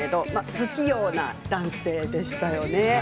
不器用な男性でしたよね。